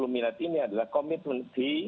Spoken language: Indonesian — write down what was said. lima ratus enam puluh miliar ini adalah komitmen di